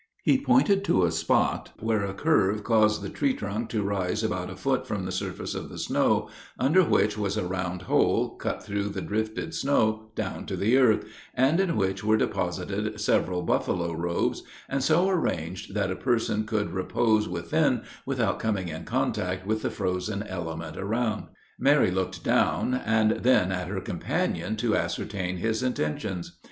He pointed to a spot where a curve caused the huge trunk to rise about a foot from the surface of the snow, under which was a round hole cut through the drifted snow down to the earth, and in which were deposited several buffalo robes, and so arranged that a person could repose within, without coming in contact with the frozen element around. Mary looked down, and then at her companion to ascertain his intentions.